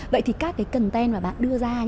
vậy thì các cái content mà bạn đưa ra